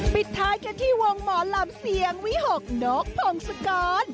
ปิดท้ายแค่ที่วงหมอนลำเสียงวิหกนกผงสกร